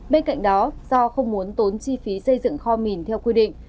bên cạnh đó do không muốn tốn chi phí xây dựng kho mìn theo quy định